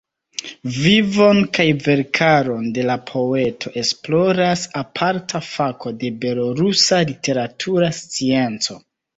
Vivon kaj verkaron de la poeto, esploras aparta fako de belorusa literatura scienco.